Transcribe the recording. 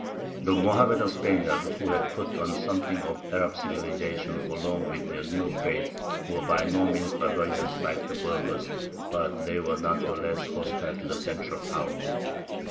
The Mohammedan Spaniards, who had put on something of Arab civilization along with their new faith, were by no means barbarians like the Berbers; but they were not the less hostile to the central power.